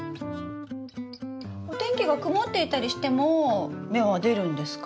お天気が曇っていたりしても芽は出るんですか？